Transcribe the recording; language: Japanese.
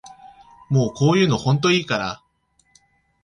もうこういうのほんといいから